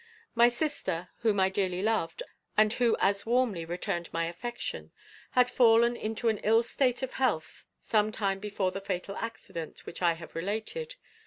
My sister, whom I dearly loved, and who as warmly returned my affection, had fallen into an ill state of health some time before the fatal accident which I have related.